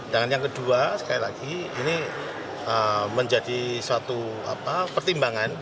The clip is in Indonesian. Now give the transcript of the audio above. dan yang kedua sekali lagi ini menjadi suatu pertimbangan